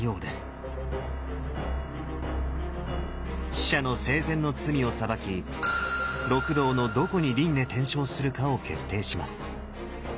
死者の生前の罪を裁き六道のどこに輪廻転生するかを決定します。